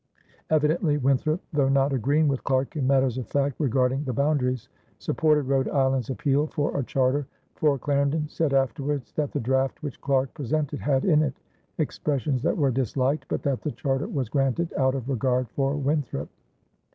Evidently Winthrop, though not agreeing with Clarke in matters of fact regarding the boundaries, supported Rhode Island's appeal for a charter, for Clarendon said afterwards that the draft which Clarke presented had in it expressions that were disliked, but that the charter was granted out of regard for Winthrop.